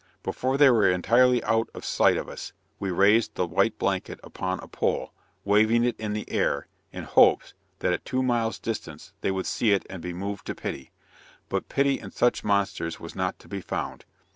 Before they were entirely out of sight of us, we raised the white blanket upon a pole, waving it in the air, in hopes, that at two miles distance they would see it and be moved to pity. But pity in such monsters was not to be found.